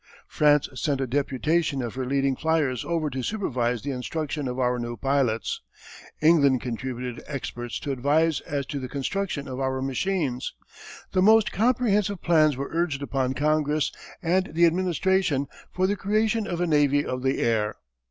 France sent a deputation of her leading flyers over to supervise the instruction of our new pilots. England contributed experts to advise as to the construction of our machines. The most comprehensive plans were urged upon Congress and the Administration for the creation of a navy of the air.